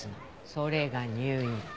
それが入院。